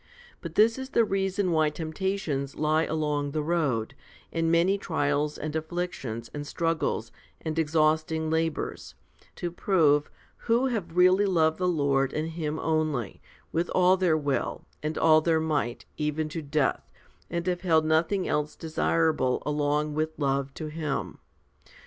But this is the reason why temptations lie along the road, and many trials and afflictions, and struggles, and exhausting labours, to prove, who have really loved the Lord and Him only, with all their will and all their might, even to death, and have held nothing else desirable along with love to Him.